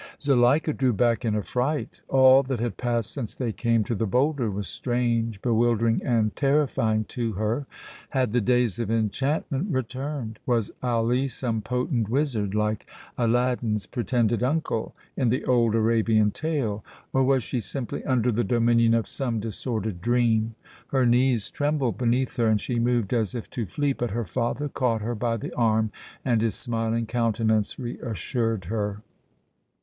Zuleika drew back in affright. All that had passed since they came to the bowlder was strange, bewildering and terrifying to her. Had the days of enchantment returned? Was Ali some potent wizard like Aladdin's pretended uncle in the old Arabian tale or was she simply under the dominion of some disordered dream? Her knees trembled beneath her and she moved as if to flee, but her father caught her by the arm and his smiling countenance reassured her.